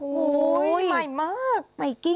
โอ้โฮใหม่มาก